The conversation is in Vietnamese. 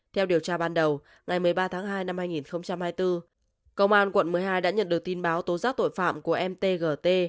theo điều tra ban đầu ngày một mươi ba tháng hai năm hai nghìn hai mươi bốn công an quận một mươi hai đã nhận được tin báo tố giác tội phạm của mtgt